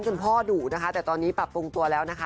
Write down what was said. จนพ่อดุนะคะแต่ตอนนี้ปรับปรุงตัวแล้วนะคะ